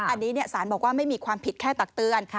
อันนี้สารบอกว่าไม่มีความผิดแค่ตักเตือน